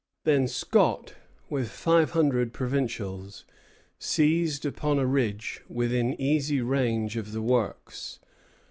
Then Scott, with five hundred provincials, seized upon a ridge within easy range of the works.